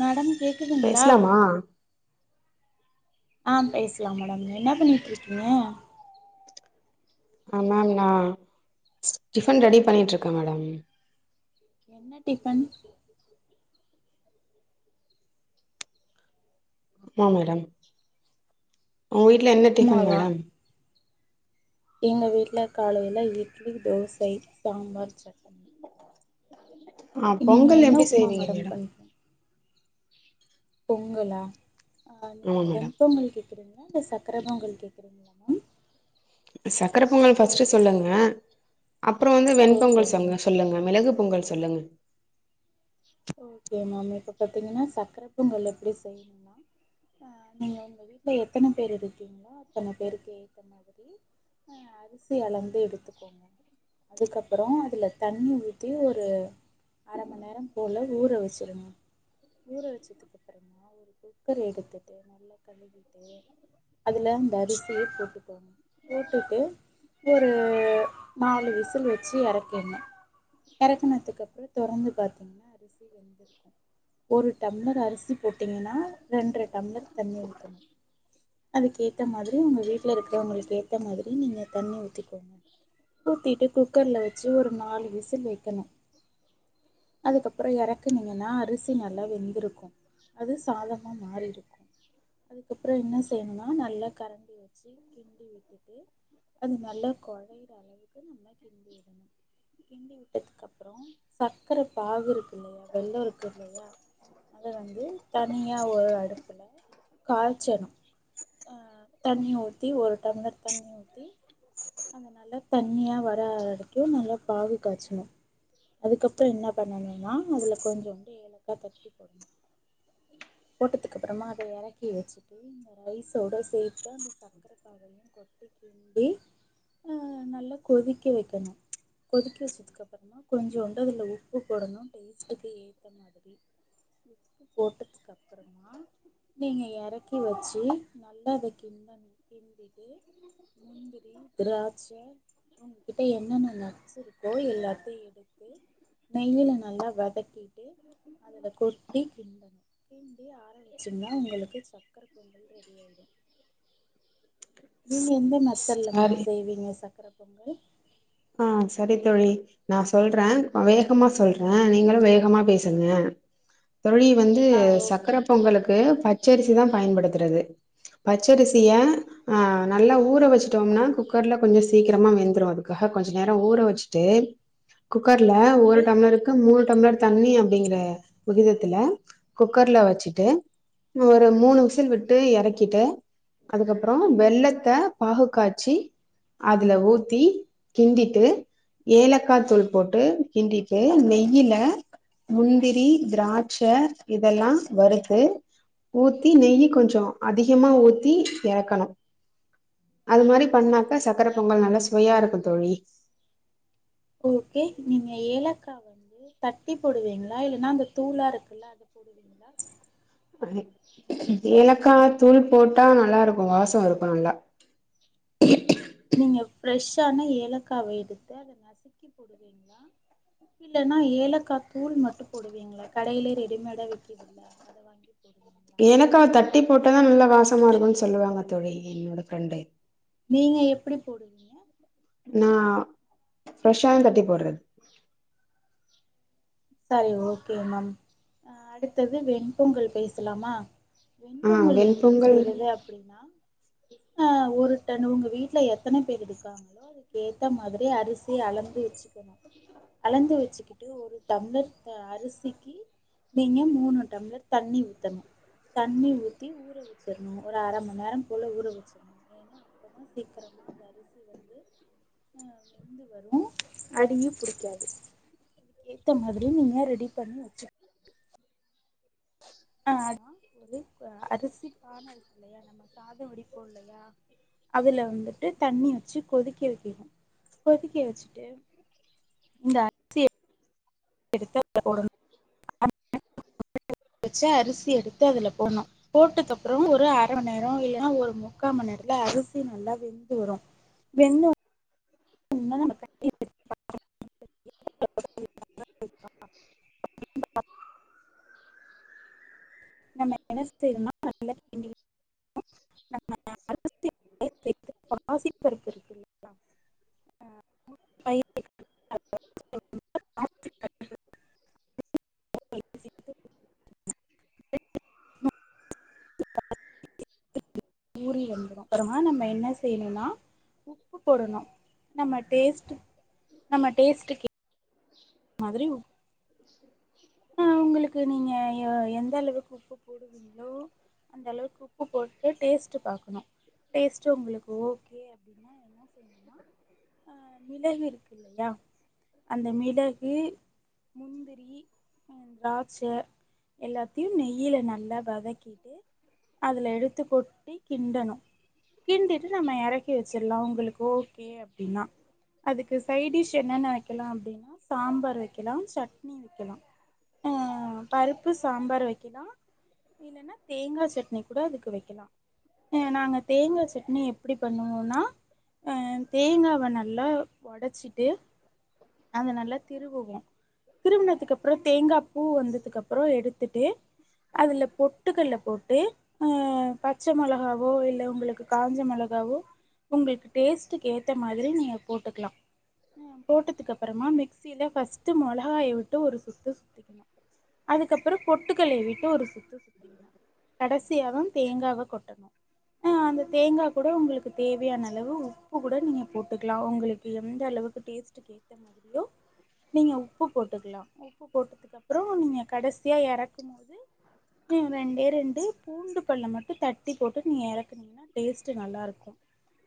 Madam கேக்குதுங்களா பேசலாமா ஆஹ் பேசலா மேடம் என்னா பண்ணிட்ருக்கீங்க ஆ மேம் நா டிஃபன் ரெடி பண்ணிட்ருக்கே மேடம் என்ன டிபன் உப்மா மேடம் உங்க வீட்டு்ல என்ன டிஃபன் உப்மாவா மேடம் எங்க வீட்டுல காலையில இட்லி தோசை சாம்பார் சட்னி [inaudible] ஆஹ் நீங்க பொங்கல் என்ன எப்டி உப்மா செய்வீங்க மேடம் பண்றீங்க பொங்கலா காலைல ஆமா மேடம் எந்த மணிக்கு கேகறீங்களா இல்ல சக்கர பொங்கல் கேகறீங்களா மேம் சக்கர பொங்கல் பஸ்ட்டு சொல்லுங்க அப்பற வந்து வெண்பொங்கல் ஓகேங்க சொங்க சொல்லுங்க மெளகு பொங்கல் சொல்லுங்க ஓகே மேம் இப்ப பாத்தீங்கனா சக்ர பொங்கல் எப்டி செய்ணுனா அஹ் நீங்க உங்க வீட்ல எத்தன பேர் இருக்கீங்ளோ அத்தன பேருக் ஏத்த மாதிரி அஹ் அரிசி அளந்து எடுத்துக்கோங்க அதுக்கப்பறோ அதுல தண்ணி ஊத்தி ஒரு அர மநேர ஒர் நாளைக்கு ஊற வச்சிருங்க ஊற வச்சதுக்கு அப்புறமா ஒரு குக்கர் எடுத்துட்டு நல்லா கழுவிட்டு அதுல அந்த அரிசிய போட்டுகோங்க போட்டுட்டு ஒரு நாலு விசில் வச்சு எறக்கின்னு எறக்கினதுக்கப்று தொறந்து பாத்தீங்ன்னா அரிசி வெந்திர்க்கு ஒரு டம்ளர் அரிசி போட்டீங்ன்னா ரெண்ற டம்ளர் தண்ணி ஊத்தணும் அதுக்கேத்த மாதிரி உங்க வீட்ல இருக்கிறவுங்களுக் ஏத்த மாதிரி நீங்க தண்ணி ஊத்திக்கோங்க ஊத்திட்டு குக்கர்ல வச்சு ஒரு நாலு விசில் வைக்கணு அதுக்கப்புற எறக்குனீங்கனா அரிசி நல்லா வெந்திருக்கு அது சாதமா மாறிருக்கு அதுக்கப்றோ என்ன செயணுனா நல்லா கரண்டி வச்சி கிண்டி உட்டுட்டு அது நல்லா கொழைற அளவுக்கு நம்ம கிண்டி விடணு கிண்டி விட்டதுக்கப்றோ சக்ரப் பாகுருக்கு இல்லயா வெல்லோ இருக்கு இல்லயா அத வந்து தனியா ஓ அடுப்புல காய்ச்சணு அஹ் தண்ணி ஊத்தி ஒரு டம்ளர் தண்ணி ஊத்தி அத நல்லா தண்ணியா வர வரைக்கும் நல்லா பாகு காய்ச்சணு அதுக்கப்புற என்னப் பண்ணணுனா அதுல கொஞ்சோண்டு ஏலக்கா தட்டி போட்ணு போட்டதுக்கப்பறமா அத எறக்கி வச்சுட்டு இந்த ரைஸோட சேத்தா அந்த சக்கர பாலையு கொட்டி கிண்டி அஹ் நல்லா கொதிக்க வைக்கணு கொதிக்க வச்சதுக்கப்பறமா கொஞ்சோண்ட்டு அதுல உப் ப்பு போடணு டேஸ்ட்டுக்கு ஏத்த மாதிரி உப்பு போட்டதுக்கு அப்றமா நீங்க எறக்கி வச்சு நல்லா அத கிண்டனு கிண்டிட்டு முந்திரி திராட்ச உங்ககிட்ட என்னென்ன நட்ஸ் இருக்கோ எல்லாத்தையு எடுத்து நெய்யில் நல்லா வதக்கிட்டு அதுல கொட்டி கிண்டணு கிண்டி ஆர வச்சுன்னா உங்களுக்குச் க்கர பொங்கல் ரெடியாய்டு நீங்க எந்த மத்தெல்லமும் சரி செய்வீங்க சக்கர பொங்கல் ஆஹ் சரி தோழி நா சொல்ற நா வேகமா சொல்ற நீங்களு வேகமா பேசுங்க தோழி வந்து ஆ ஓகே சக்கர பொங்கலுக்கு பச் பச்சரிசி தா பயன்படுத்துறது பச்சரிசிய ஆஹ் நல்லா ஊற ஓகே வச்சுட்டோம்னா குக்கர்ல கொஞ்சு சீக்கிரமா வெந்துரு அது காக கொஞ்சு நேரோ ஊற வச்ட்டு குக்கர்ல ஒரு ஓகே டம்ளருக்கு மூணு டம்ளர் தண்ணி அப்டிங்கிற விகிதத் துல குக்கர்ல வச்சுட்டு இன்னு ஒரு மூணு உசில் ஓகே விட்டு எறக்கிட்டு அதுக்கப்புறோ வெல்லத்த ஓகே பாகு காச்சி அதுல ஊத்தி கிண்டிட்டு ஏலக்கா தூள் போட்டு கிண்டிட்டு நெய்யில முந்திரி திராட்ச இதெல்லா வறுத்து ஊத்தி நெய்யி கொஞ்சோ அதிகமா ஊத்தி எறக்கணு அது மாரி பண்ணாக்கா சக்கர பொங்கல் நல்லா சுவையா இருக்கு தோழி ஓகே நீங்க ஏலக்கா வந்து தட்டி போடுவீங்ளா இல்லன்னா அந்த தூளா இருக்குல்ல அத போடுவீங்ளா [unintelligible] ஏலக்கா தூள் போட்டா நல்லாருக்கு வாஸோ இருக்கு நல்லா நீங்க ப்ரெஷ் ஆன ஏலக்காவெடுத்து அத நசுக்கி போடுவீங்ளா இல்லன்னா ஏலக்கா தூள் மட்டு போடுவீங்ளா கடைலே ரெடிமேடா விக்கிதில்ல அத வாங்கி போடுவீங்களா? எனக்கா தட்டி போட்டாதா ல்லா லாஸ் சமா இருக்குன் சொல்லுவாங்க தோழி என்னோட ஃரெண்டு நீங்க எப்டி போடுவீங்க நா ஃப்ரெஷாதா தட்டி போட்றது சரி ஓகே மம் அஹ் அடுத்தது வெண் பொங்கல் பேசுலாமா ஆ வெண்பொங்கல் எப்டி வெண்பொங்கல் செய்றது அப்டின்னா அஹ் ஒருடன்னு உங்க வீட்ல எத்தன பேரு இருக்காங்களோ அதுக்கேத்த மாதிரி அரிசி அளந்து வச்சுக்கணு அளந்து வச்சுக்கிட்டு ஒரு டம்ளர் தா அரிசிக்கி நீங்க மூணு டம்ளர் தண்ணி ஊத்தணு தண்ணி ஊத்தி ஊற வச்சிர்ணு ஒரு அர மண்நேரோ போல ஊற வச்சிர்ணு ஏனா அப்பதா சீக்கரமா அந்த அரிசி வந்து அஹ் வெந்து வரு அடி புடிக்காது ஏத்த மாதிரி நீங்க ரெடி பண்ணி வச்சு ஆஹ் அதா ஒரு அ அரிசி பான இருக்குலையா நம்ம சாதோ வடிப்போலையா அதுல வந்துட்டு தண்ணி வச்சு கொதிக்க வைக்கனு கொதிக்க வச்சுட்டு இந்த அ சி எடுத்து [inaudible] போடணு [inaudible] வச்சு அரிசி எடுத்து அதுல போட்ணு போட்டதப்றோ ஒரு அர மநேரோ இல்லனா ஒரு முக்கா மநேருல அரிசி நல்லா வெந்து வரு வெந்து [inaudible] நம்ம என்ன செய்னுனா நல்லா கிண்டி [inaudible] சேத்து பாசிபருப்பு இருக்கு இல்லங்ளா [inaudible] ஊறி வந்துடும் அப்புறமா நம்ம என்ன செய்யணும்னா உப்பு போடணும் நம்ம டேஸ்ட் நம்ம டேஸ்ட்டு மாதிர உ ஆஹ் உங்களுக்கு நீங்க எந்த அளவுக்கு உப்பு போடுவீங்களோ அந்த அளவுக்கு உப்பு போட்டு டேஸ்ட் பார்கக்கணும் டேஸ்ட் உங்களுக்கு ஓகே அப்படின்னா என்ன ஹ மிளகு இருக்கு இல்லையா அந்த மிளகு முந்திரி திராட்சை எல்லாத்தையும் நெய்யில நல்லா வதக்கிட்டு அதுல எடுத்து கொட்டி கிண்டணும் கிண்டிட்டு நம்ம இறக்கி வச்சிடலாம் அவங்களுக்கு ஓகே அப்படின்னா அதுக்கு சைடிஸ் என்னன்ன வைக்கலாம் அப்படின்னா சாம்பார் வைக்கலாம் சட்னி வைக்கலாம் அஹ் பருப்பு சாம்பார் வைக்கலாம் இல்ன்னா தேங்காய் சட்னி கூட அதுக்கு வைக்கலாம் அஹ் நாங்க தேங்காய் சட்னி எப்படி பண்ணுவோம்னா அஹ் தேங்காவை நல்லா உடைச்சிட்டு அதை நல்லா திருபுவோம் திருவினதுக்கு அப்புறம் தேங்காய் பூ வந்ததுக்கு அப்புறம் எடுத்துட்டு அதுல பொட்டுக்கல போட்டு ஹ பச்சை மிளகாவோ இல்லை உங்களுக்கு காஞ்ச மிளகாவோ உங்களுக்கு தே டேஸ்ட்டுக்கு ஏத்த மாதிரி நீங்க போட்டுக்கலாம் ஹ போட்டதுக்கு அப்புறமா மிக்ஸில பஸ்ட் மிளகாய் மட்டும் ஒரு சுத்து சுத்திக்கணும் அதுக்கப்புறம் பொட்டுக்கல்ல விட்டு ஒரு சுத்து சுத்திக்கணும் கடைசியாகும் தேங்காவ கொட்டணும் அஹ் அந்த தேங்காய் கூட உங்களுக்கு தேவையான அளவு உப்பு கூட நீங்க போட்டுக்கலாம் உங்களுக்கு எந்த அளவுக்கு டேஸ்ட்ட் கேட ஏத்த மாதிரியோ நீங்க உப்பு போட்டுக்கலாம் உப்பு போட்டதுக்கு அப்புறம் நீங்க கடைசியாக இறக்கும் போது நீ ரெண்டே ரெண்டு பூண்டு பல்ல மட்டும் தட்டி போட்டு நீங்க இறக்குனீங்கன்னா டேஸ்ட்டு நல்லாருக்கும்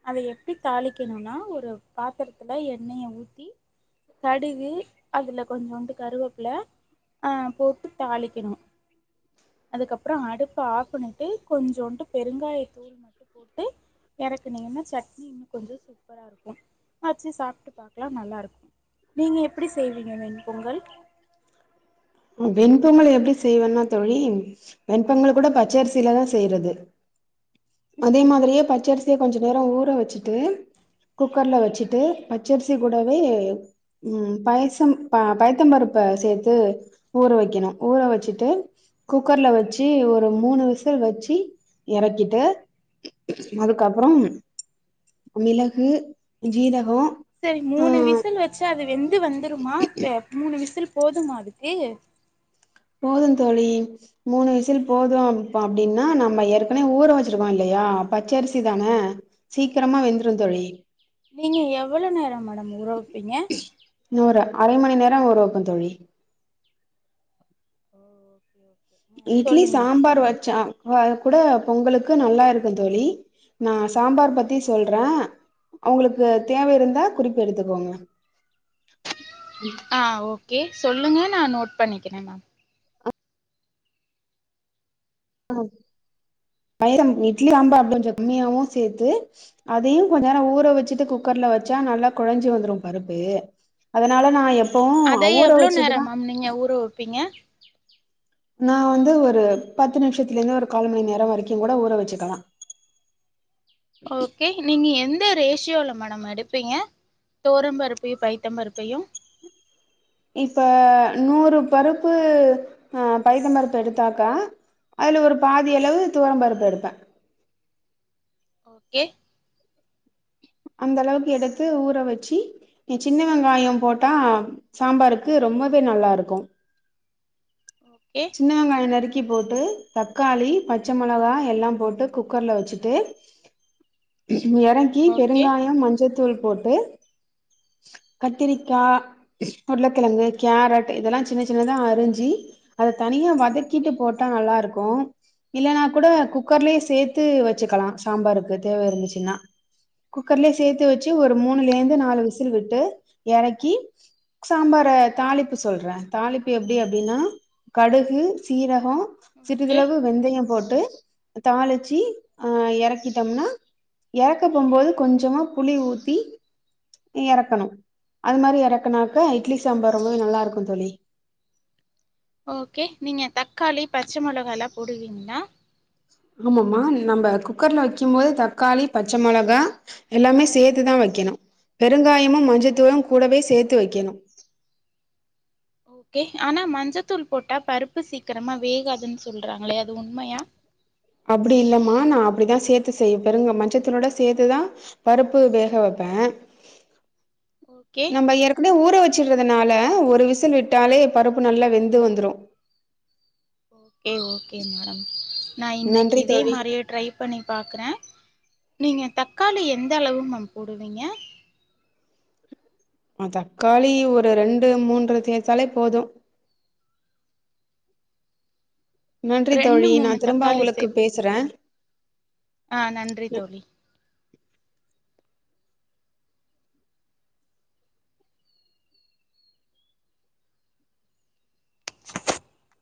அதை எப் எப்படி தாளிக்கணும்னா ஒரு பாத்திரத்துல எண்ணெயை ஊத்தி கடுகு அதுல கொஞ்ச ஜோண்டு கருவப் ஹ போட்டு தாளிக்கணும் அதுக்கப்புறம் அடுப்ப ஆப் பண்ணிட்டு கொஞ்ச ஜோண்டு பெருங்காய தூள் மட்டும் போட்டு இறக்கனீங்கன்னா சட்னி இன்னும் கொஞ்சம் சூப்பரா இருக்கும் வச்சு சாப்பிட் பக்கலாம் நல்லா இருக்கும் நீங்க எப்படி செய்வீங்க நீங்க பொங்கல் வெண் பொங்கல் எப்படி செய்வேன்னா தோழி வெண் பொங்கல கூட பச்சரிசில தான் செய்யறது அதே மாதிரியே பச்சரிசிய கொஞ்ச நேரம் ஊற வச்சுட்டு குக்கர்ல வச்சுட்டு பச்சரிசி கூடவே உம் பயசம் பயத்த பருப்ப சேர்த்து ஊற வைக்கணும் ஊற வச்சுட்டு குக்கர்ல வச்சு ஒரு மூணு விசல் வச்சு இறக்கிட்டு அதுக்கப்புறம் மிளகு ஜீரகம் சரி மூணு விசில் வச்சு அது வெந்து வந்துருமா மூணு விசில் போதுமா அதுக்கு போதும் தோழி மூணு விசில் போதும் அப்படின்னா நம்ம ஏற்கனவே ஊற வச்சிருக்கோம் இல்லையா பச்சரிசி தானே சீக்கிரமா வெந்துரும் தோழி நீங்க எவ்வளவு நேரம் மேடம் உற பிங்க இன்னும் ஒரு அரை மணி நேரம் ஊறவைப்பேன் தோழி ஓ ஓகே ஓகே ஆ இட்லி சொல்லுங்க சாம்பார் வச்சா ஓ அது கூட பொங்கலுக்கு நல்லா இருக்கும் தோழி நான் சாம்பார் பத்தி சொல்றேன் அவங்களுக்கு தேவை இருந்தா குறிப்பு எடுத்துக்கோங்க ஆஹ் ஓகே சொல்லுங்க நான் நோட் பண்ணிக்கிறேன் மேம் ஆஹ பைரம் இட்லி சாம்பார் கொஞ்சம் கம்மியாவும் சேர்த்து அதையும் கொஞ்ச நேரம் ஊற வச்சுட்டு குக்கர்ல வச்சா நல்லா குழஞ்சி வந்துரும் பருப்பு அதனால நான் எ அதே எவ்வளவு நேரம் மேம் நீங்க ஊர வைப்பீங்க நான் வந்து ஒரு பத்து நிமிஷத்துல இருந்து ஒரு காலு மணி நேரம் வரைக்கும் கூட ஊற வச்சுக்கலாம் ஓகே நீங்க எந் எந்த ரேஷியோல மேடம் எடுப்பீங்க தோர பருப்பையு பைத்த பருப்பையு இப்ப நூறு பருப்பு ஆ பைத்த பருப்பு எடுத்தாக்கா அதுல ஒரு பாதி அளவு துவரோ பருப்பு எடுப்பே ஓகே அந்த அளவுக்கு எடுத்து ஊற வெச்சு எ சின்ன வெங்காயோ போட்டா சாம்பாருக்கு ரொம்பவே நல்லா இருக்கு ஓகே சின்ன வெங்காயோ நருக்கி ட்டி போட்டு தக்காளி பச்சமொளகா எல்லா போட்டு குக்கர்ல வெச்சுட்டு இது எறங்கி ஓகே பெருங்காயோ மஞ்சத்து தூள் போட்டு கத்திரிக்கா உருளைக்கெழங்கு கேரட் இதெல்லா சின்ன சின்னதா அரிஞ்சி தனியா வதக்கிட்டு ஓகே போட்டா நல்லாருக்கு கு இல்லன்னா கூட குக்கர்லயே சேர்த்து வெச்சுக்கலா சாம்பாருக்கு தேவ இருந்துச்சுன்னா குக்கர்லயே சேர்த்து வெச்சு ஒரு மூணுலேந்து நாலு விசில் விட்டு இறக்கி சாம்பார தாளிப்பு சொல்றே தாளிப்பு எப்டி அப்டின்னா கடுகு சீர கம் ஓகே சிறிதளவு வெந்தயோ போட்டு தாளிச்சு ஆ எறக்கிட்டோம்னா எறக்க போம்போது கொஞ்சோமா புளி ஊத்தி எறக்கணு அது மாரி எறக்குனாக்க இட்லி சாம்பார் ரொம்பவே நல்லா இருக்கு தோழி ஓகே நீங்க தக்காளி பச்ச மொளகாலா போடுவீங்களா ஆமாம நம்ம குக்கர்ல வைக்கு போது தக்காளி பச்சமொளகா எல்லாமே சேர்த்துதா வெக்கணு பெருங்காயமு மஞ்சத்தூளு கூடவே சேர்த்து வைக்கணு கே ஆனா மஞ்சத்தூள் போட்டா பருப்பு சீக்கிரமா வேகாதுன்னு சொல்றாங்களே அது உண்மையா அப்டி இல்லமா நா அப்டித்தா சேர்த்து செய்ய பெருங்க மஞ்சத்தூலோட சேர்த்துதா பருப்பு வேக வெப்பே ஓகே நம்ம ஏற்கனவே ஊற வெச் ச்சறதுனால ஒரு விசில் விட்டாலே பருப்பு நல்லா வெந்து வந்துரு ஓ ஓகே மேடம் நா இன்னைக்கு நன்றி இதே தோழி மாரியே ட்ரை பண்ணி பாக்குறே நீங்க தக்காளி எந்த அளவு மேம் போடுவீங்க ஆ தக்காளி ஒரு ரெண்டு மூன்று தேதாலே போது நன்றி ரெண்டு தோழி நா மூணு திரும்ப தக்காளி உங்களுக்கு சேப்பீங்கா பேசுறே ஆ நன்றி தோழி [inaudible]